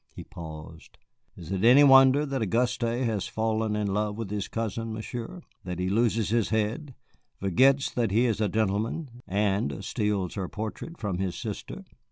He paused. "Is it any wonder that Auguste has fallen in love with his cousin, Monsieur? That he loses his head, forgets that he is a gentleman, and steals her portrait from his sister!"